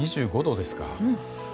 ２５度ですか。